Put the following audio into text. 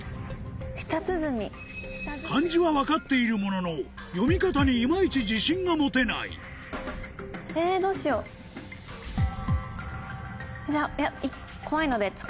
漢字は分かっているものの読み方に今いち自信が持てないじゃあいや。